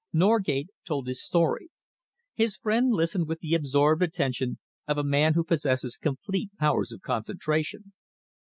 Norgate told his story. His friend listened with the absorbed attention of a man who possesses complete powers of concentration.